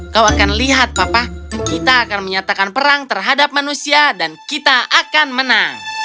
kau akan lihat papa kita akan menyatakan perang terhadap manusia dan kita akan menang